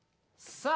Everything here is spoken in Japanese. さあ